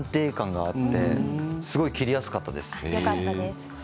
すごい安定感があってすごい切りやすかったです。